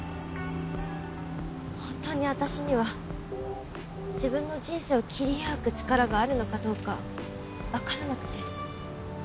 本当に私には自分の人生を切り開く力があるのかどうかわからなくて。